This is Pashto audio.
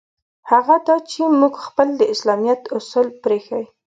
هغه دا چې موږ خپل د اسلامیت اصل پرېیښی.